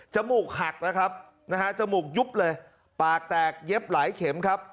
มูกหักนะครับนะฮะจมูกยุบเลยปากแตกเย็บหลายเข็มครับ